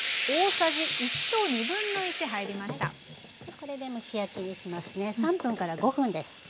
これで蒸し焼きにしますね。